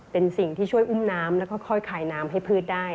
เป็นสิ่งที่ช่วยอุ้มน้ำแล้วก็ค่อยขายน้ำให้พืชได้